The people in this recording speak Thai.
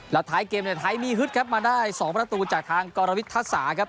แล้วท้ายเกมนี่ท้ายมีฮึดมาได้๒ประตูจากทางกอนวิทธาษาครับ